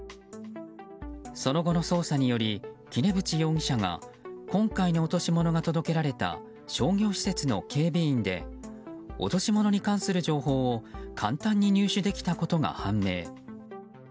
その後の捜査により杵渕容疑者が今回の落とし物が届けられた商業施設の警備員で落とし物に関する情報を簡単に入手できたことが判明。